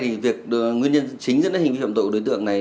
trong vụ án này nguyên nhân chính là hình ảnh hưởng tội của đối tượng này